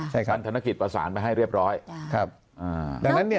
สรรค์ธนาคิดประสานไปให้เรียบร้อย